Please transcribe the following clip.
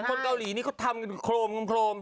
คนเกาหลีนี่เขาทำกันโครม